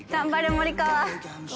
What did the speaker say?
森川！